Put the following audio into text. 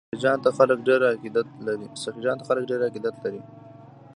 سخي جان ته خلک ډیر عقیدت لري.